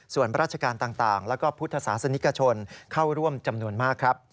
ส่วนราชการต่างแล้วก็พุทธศาสนิกชนเข้าร่วมจำนวนมากครับ